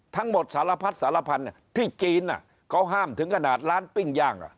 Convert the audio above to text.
ทั้งหมดสารพัดสารพันธุ์ที่จีนเขาห้ามถึงขนาดร้านปิ้งย่าง